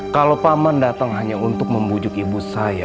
kalau paman datang hanya untuk membujuk ibu saya